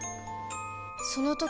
その時